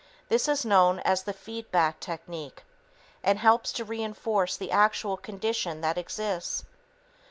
This is known as "the feed back technique" and helps to reinforce the actual condition that exists.